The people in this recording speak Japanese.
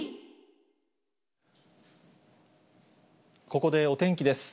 ここでお天気です。